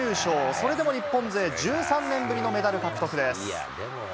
それでも日本勢、１３年ぶりのメダル獲得です。